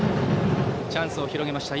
チャンスを広げました。